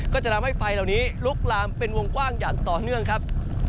ก็จะทำให้ไฟเหล่านี้ลุกลามเป็นวงกว้างอย่างต่อเนื่องครับ